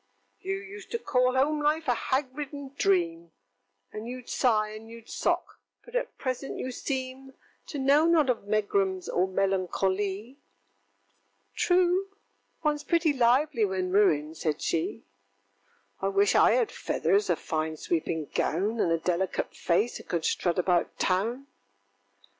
ŌĆöŌĆ£You used to call home life a hag ridden dream, And youŌĆÖd sigh, and youŌĆÖd sock; but at present you seem To know not of megrims or melancho ly! ŌĆØŌĆö ŌĆ£True. ThereŌĆÖs an advantage in ruin, ŌĆØ said she. ŌĆöŌĆ£I wish I had feathers, a fine sweeping gown, And a delicate face, and could strut about Town!